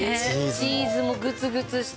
チーズもグツグツして。